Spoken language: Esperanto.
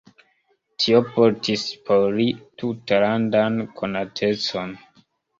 Tio portis por li tutlandan konatecon.